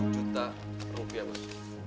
empat puluh juta rupiah bos